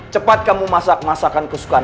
cepat kamu masak masakan kesukaan